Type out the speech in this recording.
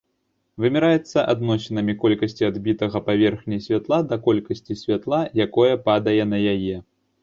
Вымяраецца адносінамі колькасці адбітага паверхняй святла да колькасці святла, якое падае на яе.